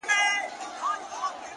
مجموعه ده د روحونو په رگو کي!